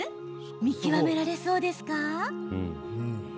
見極められそうですか？